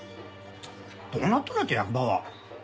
どうなっとるんやて役場は。